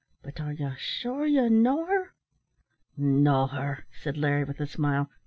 But are you sure you know her?" "Know her!" said Larry, with a smile.